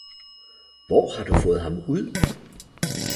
Hvor har du fået ham ud!